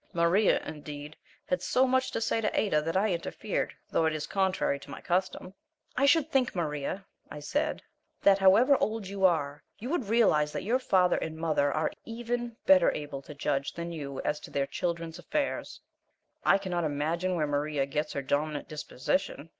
Maria, indeed, had so much to say to Ada that I interfered, though it is contrary to my custom. "I should think, Maria," I said, "that however old you are, you would realize that your father and mother are EVEN better able to judge than you as to their children's affairs." I cannot imagine where Maria gets her dominant disposition.